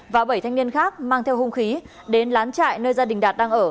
và bảy thanh niên khác mang theo hung khí đến lán chạy nơi gia đình đạt đang ở